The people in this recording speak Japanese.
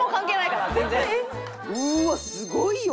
うわっすごいよ！